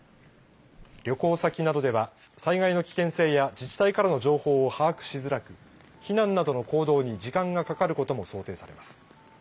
旅行先などでは災害の危険性や自治体からの情報を把握しづらく避難などの行動に時間がかかることも想定されます。